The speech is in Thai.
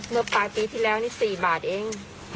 เมื่อปลายปีที่แล้วนี่๔บาทเอง